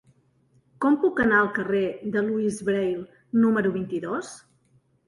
Com puc anar al carrer de Louis Braille número vint-i-dos?